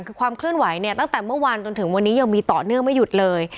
คือความเคลื่อนไหวเนี่ยตั้งแต่เมื่อวานจนถึงวันนี้ยังมีต่อเนื่องไม่หยุดเลย